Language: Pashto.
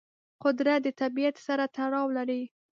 قدرت د طبیعت سره تړاو لري.